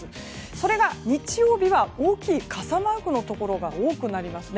それが日曜日は大きい傘マークのところが多くなりますね。